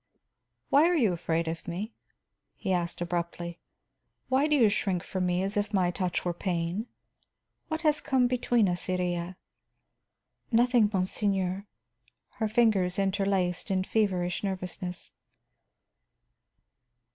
"Why are you afraid of me?" he asked abruptly. "Why do you shrink from me as if my touch were pain? What has come between us, Iría?" "Nothing, monseigneur," her fingers inter laced in feverish nervousness.